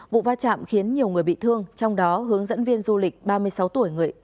vụ va chạm khiến nhiều người bị thương trong đó hướng dẫn viên du lịch ba mươi sáu tuổi người